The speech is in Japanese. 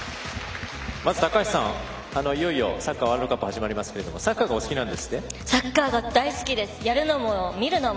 まず高橋さんサッカーワールドカップが始まりますがサッカーがお好きなんですって？